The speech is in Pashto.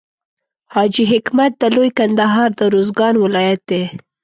حاجي حکمت د لوی کندهار د روزګان ولایت دی.